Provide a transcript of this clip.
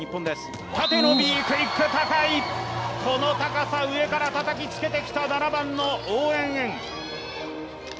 この高さ、上からたたきつけてきた７番のオウ・エンエン。